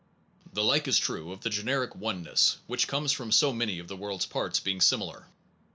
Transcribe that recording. The like is true of the generic oneness which comes from so many of the world s parts being similar.